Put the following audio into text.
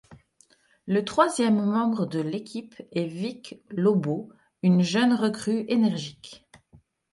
Le troisième membre de l'équipe est Wick Lobo, une jeune recrue énergique.